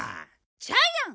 ジャイアン！